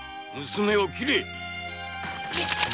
娘を切れ。